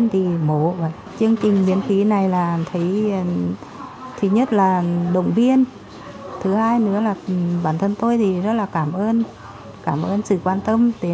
thì bệnh nhân nó rất là mờ